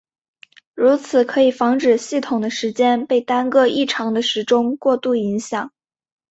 如此可以防止系统的时间被单个异常的时钟过度影响。